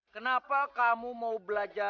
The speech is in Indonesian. kenapa kamu mau belanja